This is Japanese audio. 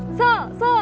そう